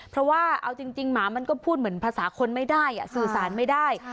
เพราะว่าเอาจริงหมามันก็พูดเหมือนภาษาคนไม่ได้สื่อสารไม่ได้